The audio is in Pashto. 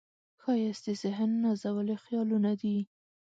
ښایست د ذهن نازولي خیالونه دي